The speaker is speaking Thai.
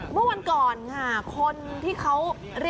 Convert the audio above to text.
เมื่อวันก่อนคนที่เขา